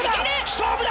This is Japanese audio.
勝負だ！